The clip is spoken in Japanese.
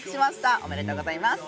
おめでとうございます。